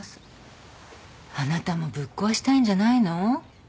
あなたもぶっ壊したいんじゃないの？